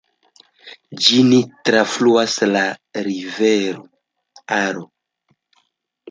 Ĝin trafluas la rivero Aro.